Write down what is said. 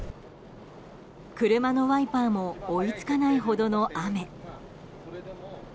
車のワイパーも追いつかないほどの雨。